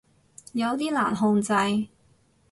有啲難控制